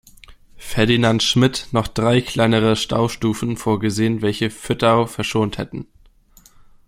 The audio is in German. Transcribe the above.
Ferdinand Schmidt noch drei kleinere Staustufen vorgesehen, welche Vöttau verschont hätten.